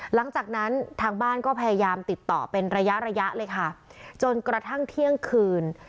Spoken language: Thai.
หลังจากนั้นทางบ้านก็พยายามติดต่อเป็นระยะระยะเลยค่ะจนกระทั่งเที่ยงคืน